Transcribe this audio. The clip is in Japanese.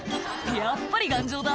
「やっぱり頑丈だ」